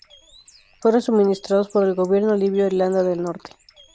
Fueron suministrados por el gobierno libio a Irlanda del Norte.